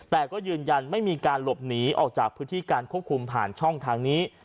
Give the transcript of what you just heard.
แต่ก็ยืนยันไม่มีการหลบหนีออกจากพื้นที่การควบคุมผ่านช่องทางนี้